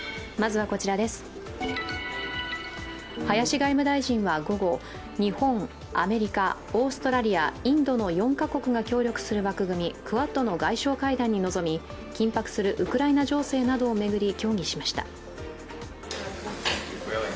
林外務大臣は午後日本・アメリカオーストラリア・インドの４カ国が協力する枠組みクアッドの外相会談に臨み緊迫するウクライナ情勢などを巡り、協議しました。